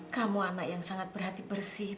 kamu anak yang sangat berhati bersih